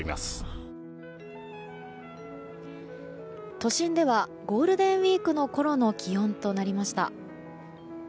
都心ではゴールデンウィークのころの気温となりました。